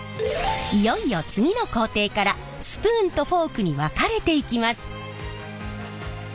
いよいよ次の工程からスプーンとフォークに分かれていきます。